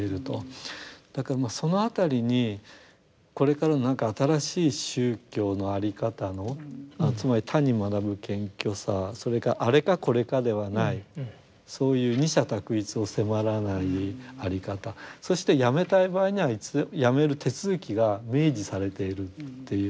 だからまあその辺りにこれからの何か新しい宗教の在り方のつまり他に学ぶ謙虚さそれからあれかこれかではないそういう二者択一を迫らない在り方そしてやめたい場合にはやめる手続きが明示されているっていう